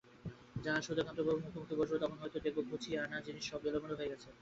যখন সুধাকান্তবাবুর মুখোমুখি বসব তখন হয়তো দেখব গুছিয়ে-আনা জিনিস সব এলেমেলো হয়ে গেছে।